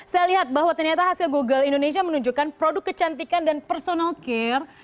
saya lihat bahwa ternyata hasil google indonesia menunjukkan produk kecantikan dan personal care